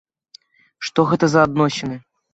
Што гэта за адносіны?